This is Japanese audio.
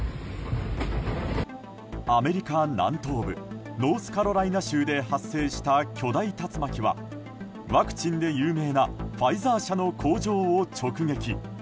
アメリカ南東部ノースカロライナ州で発生した巨大竜巻は、ワクチンで有名なファイザー社の工場を直撃。